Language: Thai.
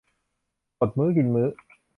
อดมื้อกินมื้อ